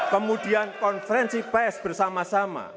kemudian konferensi pes bersama sama